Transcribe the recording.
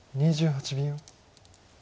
２８秒。